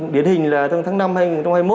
điển hình là trong tháng năm hai nghìn hai mươi một